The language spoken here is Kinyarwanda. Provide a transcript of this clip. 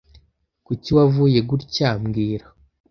Kuki wavuye gutya mbwira